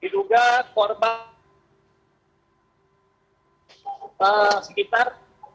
diduga korban sekitar